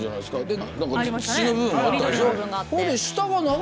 で土の部分があったでしょ。